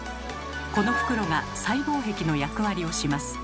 この袋が細胞壁の役割をします。